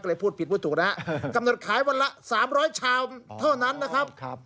ก็เลยพูดผิดพูดถูกนะฮะกำหนดขายวันละ๓๐๐ชามเท่านั้นนะครับ